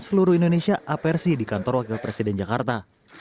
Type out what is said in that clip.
seluruh indonesia apersi di kantor wakil presiden jakarta